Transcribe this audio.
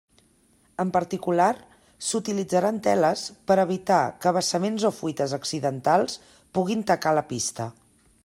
En particular, s'utilitzaran teles per evitar que vessaments o fuites accidentals puguin tacar la pista.